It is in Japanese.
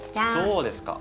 どうですか？